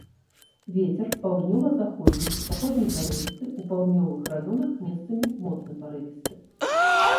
Вецер паўднёва-заходні, заходні парывісты, у паўднёвых раёнах месцамі моцны парывісты.